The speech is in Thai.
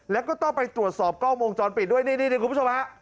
แล้วก็ต้องไปตรวจสอบกล้องวงจรปิดด้วยนี่คุณผู้ชมฮะ